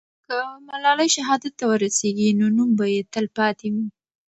که ملالۍ شهادت ته ورسېږي، نو نوم به یې تل پاتې وي.